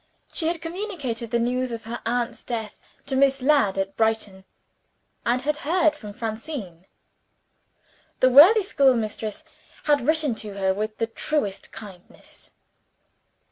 She had communicated the news of her aunt's death to Miss Ladd, at Brighton; and had heard from Francine. The worthy schoolmistress had written to her with the truest kindness.